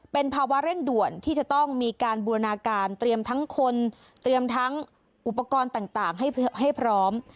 เป็นภาวะเร่งด่วนที่จะต้องมีการบูรณาการเตรียมทั้งคนเตรียมทั้งอุปกรณ์ต่างให้พร้อม